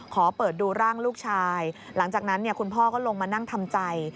ขอเปิดดูร่างลูกชายหลังจากนั้นคุณพ่อก็ลงมานั่งทำใจ